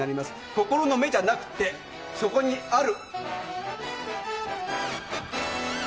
心の目じゃなくてそこにある。